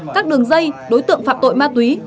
các đường dây đối tượng phạm tội ma túy